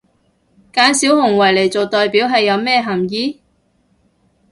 揀小熊維尼做代表係有咩含意？